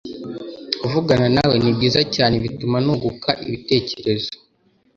kuvugana nawe ni byiza cyane bituma nuguka ibitekerezo